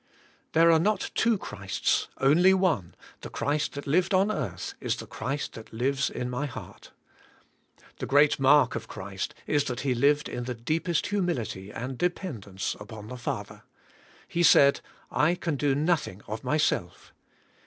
There are not two Christs, only one, the Christ that lived on earth is the Christ that lives in my heart. The great mark of Christ is that He lived in the deepest humility and dependence upon the Father. He said, "I can do nothing of Myself."